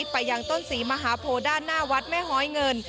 ไปยังต้นศรีมหาโพด้านหน้าวัดแม่หอยเงิน